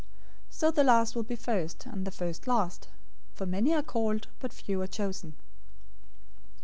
020:016 So the last will be first, and the first last. For many are called, but few are chosen."